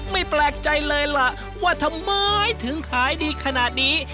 แปลกใจเลยล่ะว่าทำไมถึงขายดีขนาดนี้